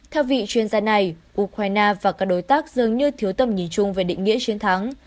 theo vị chuyên gia này ukraine và các đối tác dường như thiếu tầm nhìn chung về định nghĩa chiến thắng